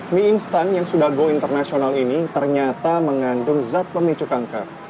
mie instan yang sudah go internasional ini ternyata mengandung zat pemicu kanker